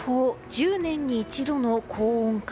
１０年に一度の高温か。